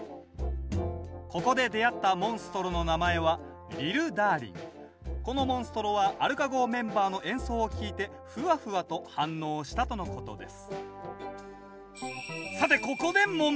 ここで出会ったモンストロの名前はこのモンストロはアルカ号メンバーの演奏を聴いてフワフワと反応したとのことです